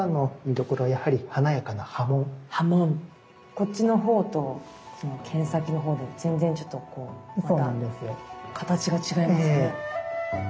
こっちのほうと剣先のほうで全然ちょっとこうまた形が違いますね。